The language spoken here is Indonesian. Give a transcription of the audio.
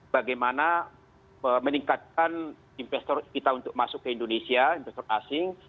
bagaimana meningkatkan investor kita untuk masuk ke indonesia investor asing